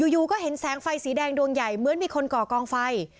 อยู่ก็เห็นแสงไฟสีแดงดวงใหญ่เหมือนมีคนก่อกองไฟ